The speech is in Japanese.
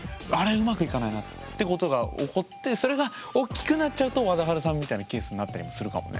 うまくいかないなってことが起こってそれがおっきくなっちゃうとわだはるさんみたいなケースになったりもするかもね。